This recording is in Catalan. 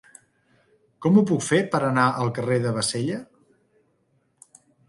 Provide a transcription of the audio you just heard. Com ho puc fer per anar al carrer de Bassella?